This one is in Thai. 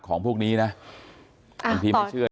ของพวกนี้นะอ่าต่อ